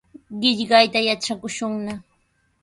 Qillqayta yatrakushunna.